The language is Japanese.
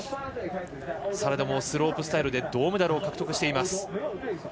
それでもスロープスタイルで銅メダルを獲得しています。